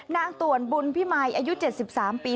นางต่วนบุญพี่มายอายุ๗๓ปี